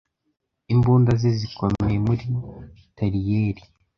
imbunda ze zikomeye muri tariyeri